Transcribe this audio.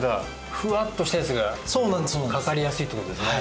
ふわっとしたやつがかかりやすいって事ですよね。